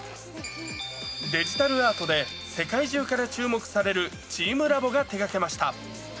デジタルアートで世界中から注目されるチームラボが手がけました。